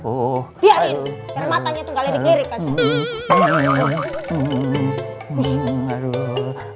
biar matanya tuh gak lagi kirik aja